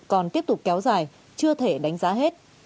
còn tiếp tục kéo dài chưa thể đánh giá hết